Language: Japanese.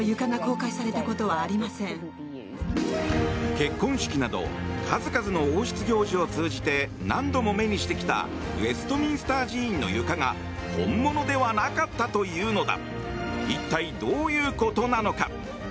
結婚式など数々の王室行事を通じて何度も目にしてきたウェストミンスター寺院の床が本物ではなかったというのだ。